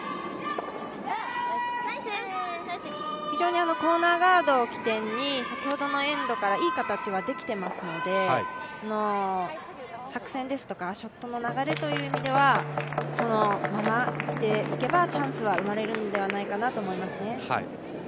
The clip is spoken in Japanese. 非常にコーナーガードを起点に先ほどのエンドからいい形はできてますので、作戦ですとかショットの流れという意味ではそのままいけばチャンスは生まれるのではないかと思います。